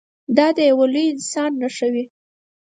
دا د یوه لوی انسان نښه وي.